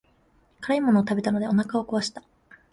辛いものを食べたのでお腹を壊した。